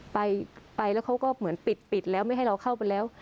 ไปแล้วเขาก็เหมือนปิดปิดแล้วไม่ให้เราเข้าไปแล้ว